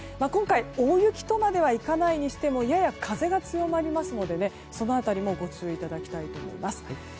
今回大雪とまではいかないにしてもやや風が強まりますのでその辺りもご注意いただきたいと思います。